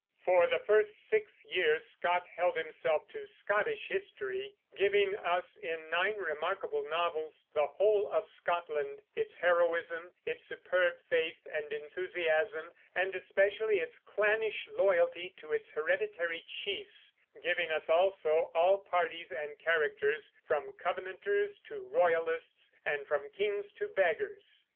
For the first six years Scott held himself to Scottish history, giving us in nine remarkable novels the whole of Scotland, its heroism, its superb faith and enthusiasm, and especially its clannish loyalty to its hereditary chiefs; giving us also all parties and characters, from Covenanters to Royalists, and from kings to beggars.